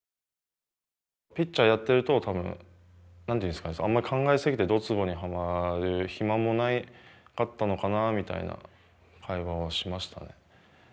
ピッチャーやってると多分何て言うんですかねあんまり考え過ぎてどつぼにはまる暇もなかったのかなみたいな会話はしましたね。